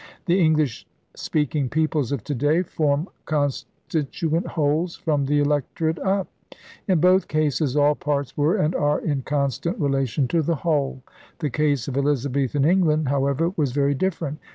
The English speaking peoples of to day form constit uent wholes from the electorate up. In both cases all parts were and are in constant relation to the whole. The case of Elizabethan England, however, was very different.